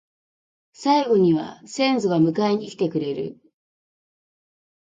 最期には先祖が迎えに来てくれる